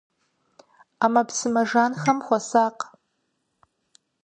Ӏэмэпсымэ жанхэм хуэсакъ.